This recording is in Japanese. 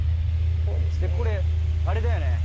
これあれだよね